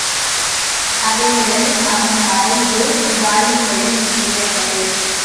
அதுமுதல் அவன் மறைந்து வாழும்படி ஏற்பட்டது.